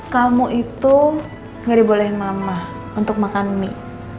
kamu itu gak dibolehin mama untuk makan mie